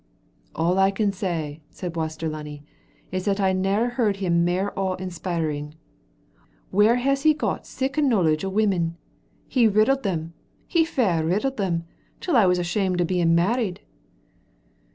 "All I can say," said Waster Lunny, "is that I never heard him mair awe inspiring. Whaur has he got sic a knowledge of women? He riddled them, he fair riddled them, till I was ashamed o' being married."